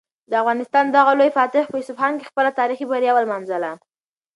د افغانستان دغه لوی فاتح په اصفهان کې خپله تاریخي بریا ولمانځله.